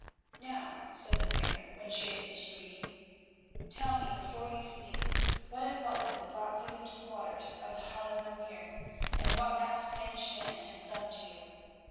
"Now," said the Mare, when she had finished reading, "tell me before you sleep, what it was that brought you into the waters of the Haarlemer Meer, and what that Spanish man has done to you.